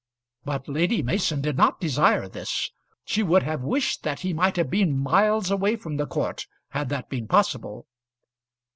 But Lady Mason did not desire this. She would have wished that he might have been miles away from the court had that been possible.